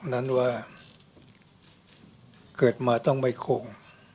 เพราะฉะนั้นว่าเกิดมาต้องไม่โกง